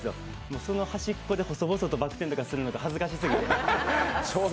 その端っこで、細々とバク転とかするのが恥ずかしすぎて。